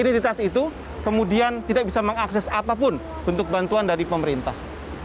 identitas itu kemudian tidak bisa mengakses apapun untuk bantuan dari pemerintah